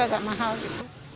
agak mahal gitu